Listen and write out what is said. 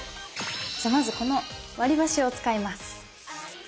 じゃまずこの割りばしを使います。